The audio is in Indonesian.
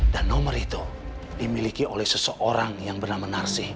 dan nomor itu dimiliki oleh seseorang yang bernama narsi